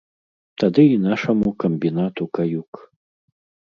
Тады і нашаму камбінату каюк.